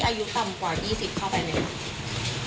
อายุต่ำกว่า๒๐เข้าไปไหม